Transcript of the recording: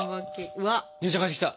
あ姉ちゃん帰ってきた！